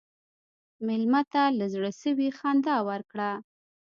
مېلمه ته له زړه سوي خندا ورکړه.